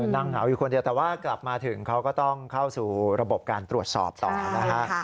เหงาอยู่คนเดียวแต่ว่ากลับมาถึงเขาก็ต้องเข้าสู่ระบบการตรวจสอบต่อนะฮะ